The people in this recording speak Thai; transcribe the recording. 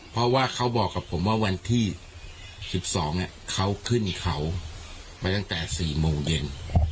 เพราะว่าเขาบอกกับผมว่าวันที่๑๒เขาขึ้นเขาไปตั้งแต่๔โมงเย็น